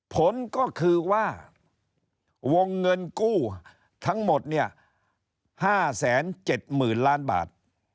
ผลก็คือว่าวงเงินกู้ทั้งหมดเนี่ย๕๗๐๐๐ล้านบาท